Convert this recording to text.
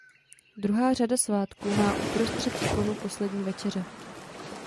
Druhá řada svátků má uprostřed ikonu Poslední večeře.